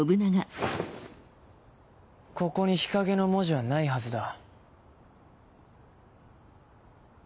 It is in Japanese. ここに「日陰」の文字はないはずだ。